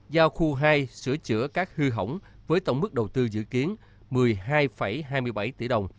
giao khu hai sửa chữa các hư hỏng với tổng mức đầu tư dự kiến một mươi hai hai mươi bảy tỷ đồng